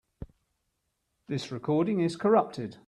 This recording is corrupted.